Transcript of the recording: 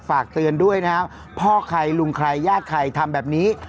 ฝากเตือนด้วยนะครับพ่อใครลุงใครญาติใครทำแบบนี้